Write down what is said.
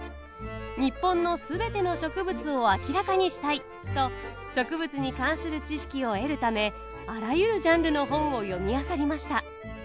日本の全ての植物を明らかにしたいと植物に関する知識を得るためあらゆるジャンルの本を読みあさりました。